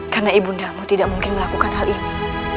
karena ibu ndakmu tidak mungkin melakukan hal ini